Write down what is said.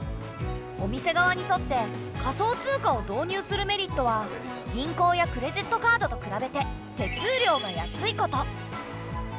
お店側にとって仮想通貨を導入するメリットは銀行やクレジットカードと比べて手数料が安いこと。